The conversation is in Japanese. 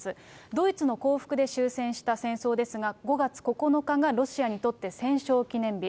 ドイツの降伏で終戦した戦争ですが、５月９日がロシアにとって戦勝記念日。